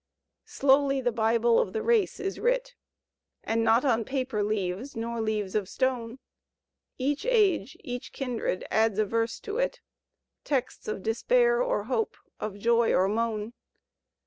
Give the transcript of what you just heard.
Slowly the Bible of the race is writ. And not on paper leaves nor leaves of stone; Each age, each kindred, adds a verse to it. Texts of despair or hope, of joy or moan.